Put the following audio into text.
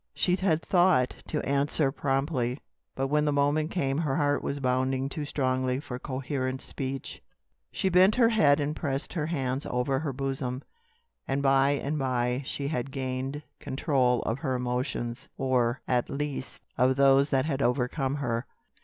She had thought to answer promptly, but when the moment came her heart was bounding too strongly for coherent speech. She bent her head and pressed her hands over her bosom, and by and by she had gained control of her emotions; or, at least, of those that had overcome her.